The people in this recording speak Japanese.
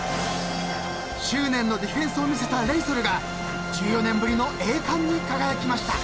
［執念のディフェンスを見せたレイソルが１４年ぶりの栄冠に輝きました］